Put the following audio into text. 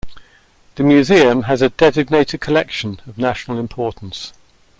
The museum has a Designated Collection of national importance.